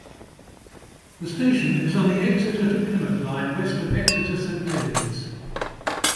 The station is on the Exeter to Plymouth line west of Exeter Saint Davids.